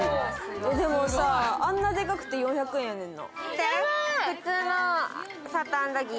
でもさあんなデカくて４００円やねんな。